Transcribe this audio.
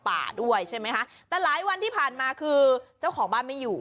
ด้วยใช่ไหมคะแต่หลายวันที่ผ่านมาคือเจ้าของบ้านไม่อยู่